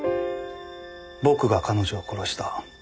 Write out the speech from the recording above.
僕が彼女を殺した。